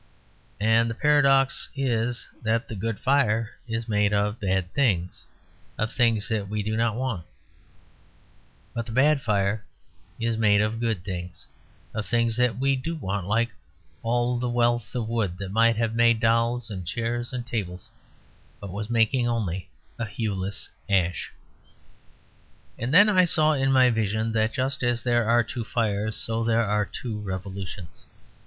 And the paradox is that the Good Fire is made of bad things, of things that we do not want; but the Bad Fire is made of good things, of things that we do want; like all that wealth of wood that might have made dolls and chairs and tables, but was only making a hueless ash. And then I saw, in my vision, that just as there are two fires, so there are two revolutions.